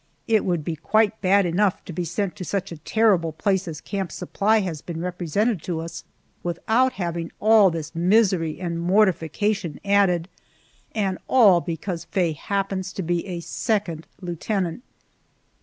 It would be quite bad enough to be sent to such a terrible place as Camp Supply has been represented to us, without having all this misery and mortification added, and all because Faye happens to be a second lieutenant!